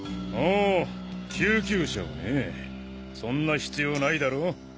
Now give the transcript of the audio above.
ほう救急車をねぇそんな必要ないだろう？